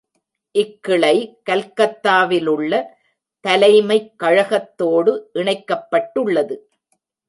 இக்கிளை, கல்கத்தாவிலுள்ள தலைமைக் கழகத்தோடு இணைக்கப்பட்டுள்ளது.